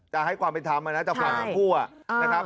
จะให้ความเป็นธรรมจากฝ่าผู้อ่ะ